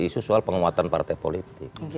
isu soal penguatan partai politik